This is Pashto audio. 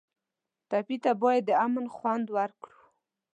ټپي ته باید د امن خوند ورکړو.